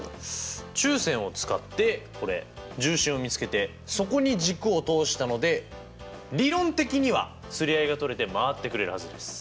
中線を使ってこれ重心を見つけてそこに軸を通したので理論的には釣り合いが取れて回ってくれるはずです。